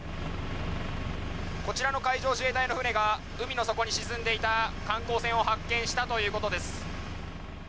こちらの海上自衛隊の船が海の底に沈んでいた観光船を発見したということです。